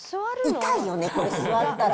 痛いよね、これ座ったら。